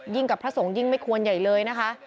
กับพระสงฆ์ยิ่งไม่ควรใหญ่เลยนะคะ